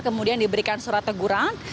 kemudian diberikan surat teguran